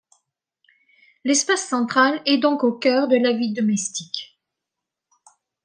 L'espace central est donc au cœur de la vie domestique.